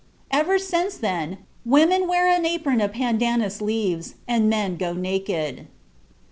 Ever since then women wear an apron of pandanus leaves and men go naked.